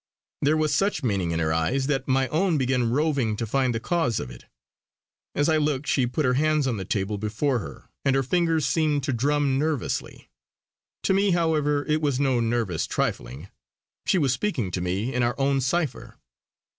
There was such meaning in her eyes that my own began roving to find the cause of it. As I looked she put her hands on the table before her, and her fingers seemed to drum nervously. To me, however, it was no nervous trifling; she was speaking to me in our own cipher.